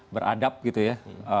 beradab gitu ya